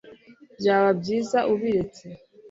Byaba byiza ubiretse